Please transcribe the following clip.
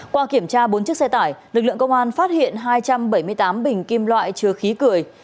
qua kiểm tra bốn chiếc xe tải lực lượng công an phát hiện hai trăm bảy mươi tám bình kim loại chứa khí cười